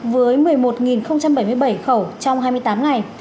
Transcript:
với một mươi một bảy mươi bảy khẩu trong hai mươi tám ngày